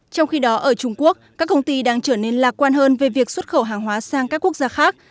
trong khi đó ở trung quốc các công ty đang trở nên lạc quan hơn về việc xuất khẩu hàng hóa sang các quốc gia khác